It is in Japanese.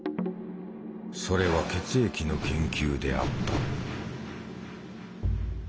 それは血液の研究であった。